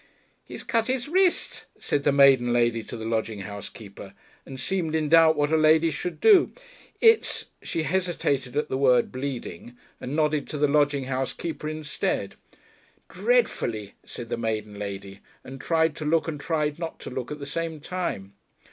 "He's cut his wrist," said the maiden lady to the lodging house keeper, and seemed in doubt what a lady should do. "It's " she hesitated at the word "bleeding," and nodded to the lodging house keeper instead. "Dreadfully," said the maiden lady, and tried to look and tried not to look at the same time.